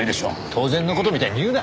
当然の事みたいに言うな！